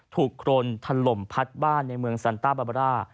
ถูกโกรณทะลมพัดบ้านในเมืองซันต้าบาบาร่า